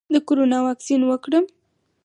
د کرونا واکسین وکړم؟